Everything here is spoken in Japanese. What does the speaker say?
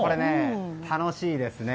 楽しいですね。